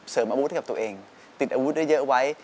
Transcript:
เสริมอวุธให้กับตัวเองติดอวุธได้เยอะไว้